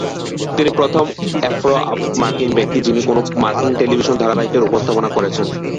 তিনি প্রথম আফ্রো-মার্কিন ব্যক্তি, যিনি কোন মার্কিন টেলিভিশন ধারাবাহিকের উপস্থাপনা করেছেন।